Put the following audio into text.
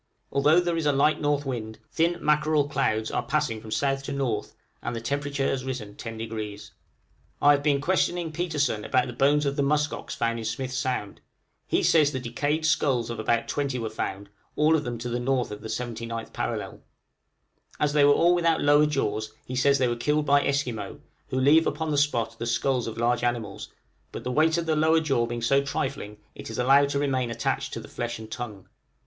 Although there is a light north wind, thin mackerel clouds are passing from south to north, and the temperature has risen 10°. [Illustration: A Funeral on the Ice. The effect of Paraselenæ Mock Moons.] {MUSK OXEN IN LAT. 80° N.} I have been questioning Petersen about the bones of the musk oxen found in Smith's Sound; he says the decayed skulls of about twenty were found, all of them to the north of the 79th parallel. As they were all without lower jaws, he says they were killed by Esquimaux, who leave upon the spot the skulls of large animals, but the weight of the lower jaw being so trifling it is allowed to remain attached to the flesh and tongue.